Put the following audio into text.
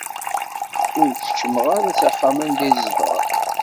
Ur keččmeɣ ara s axxam anda i zedɣeɣ.